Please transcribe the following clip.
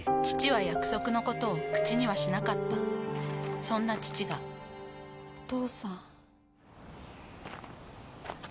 父は約束のことを口にはしなかったそんな父がお父さん。